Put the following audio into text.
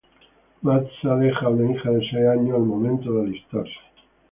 Mazza dejó a una hija de seis años al momento de alistarse.